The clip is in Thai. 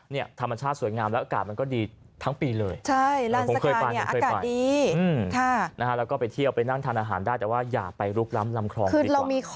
เรามีของดีมีของสวยงามอยู่แล้ว